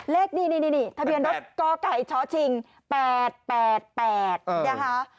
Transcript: เลขนี่ทะเบียนรถกไก่ชชิง๘๘นะคะ